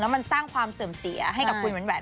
มันสร้างความเสื่อมเสียให้กับคุณแหวน